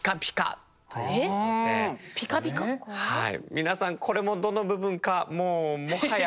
皆さんこれもどの部分かもうもはや。